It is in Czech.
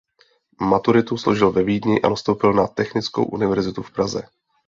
Maturitu složil ve Vídni a nastoupil na Technickou univerzitu v Praze.